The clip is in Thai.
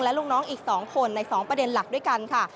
และลูกน้องอีก๒คนใน๒ประเด็นหลักด้วยกันค่ะ